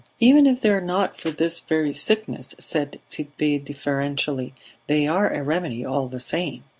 "Even if they are not for this very sickness," said Tit'Bé deferentially, "they are a remedy all the same."